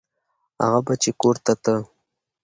هغه به چې کور ته ته.